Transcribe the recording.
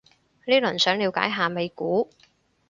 呢輪想了解下美股